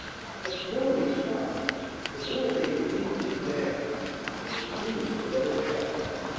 But the more he talked the more they believed him mad and refused to let him pass.